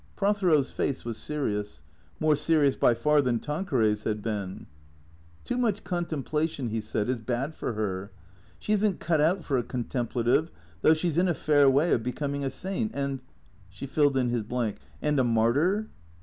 Prothero's face was serious; more serious by far than Tan queray's had been. " Too much contemplation," he said, " is bad for her. She is n't cut out for a contemplative, though she 's in a fair way of becoming a saint and " She filled his blank, " And a martyr